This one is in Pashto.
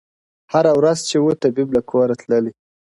هره ورځ چي وو طبیب له کوره تللی -